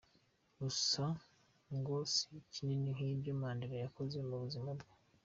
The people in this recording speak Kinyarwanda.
Gusa ngo si kinini nk’ibyo Mandela yakoze mu buzima bwe.